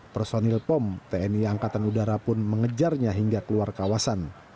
personil pom tni angkatan udara pun mengejarnya hingga keluar kawasan